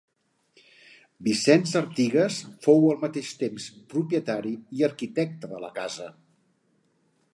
Vicenç Artigas fou al mateix temps propietari i arquitecte de la casa.